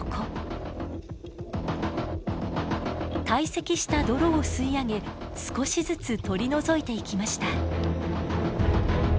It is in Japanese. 堆積した泥を吸い上げ少しずつ取り除いていきました。